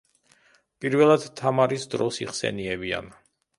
პირველად თამარის დროს იხსენიებიან.